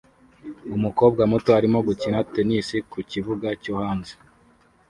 Umukobwa muto arimo gukina tennis ku kibuga cyo hanze